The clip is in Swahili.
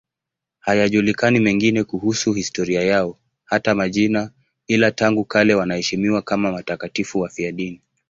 Hayajulikani mengine kuhusu historia yao, hata majina, ila tangu kale wanaheshimiwa kama watakatifu wafiadini.